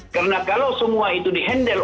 karena kalau semua itu di handle